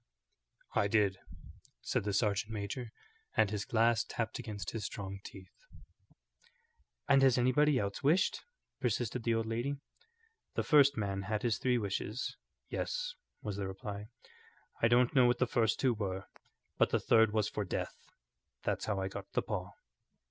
"I did," said the sergeant major, and his glass tapped against his strong teeth. "And has anybody else wished?" persisted the old lady. "The first man had his three wishes. Yes," was the reply; "I don't know what the first two were, but the third was for death. That's how I got the paw."